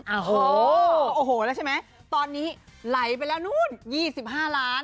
โอโหโอโหและใช่มะตอนนี้ไหลไปแล้วนู่น๒๕หลาน